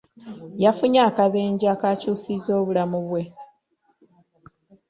Yafunye akabenje akaakyusizza obulamu bwe.